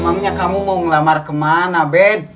maunya kamu mau ngelamar kemana bed